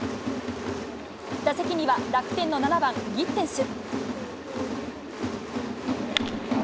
打席には楽天の７番ギッテンス。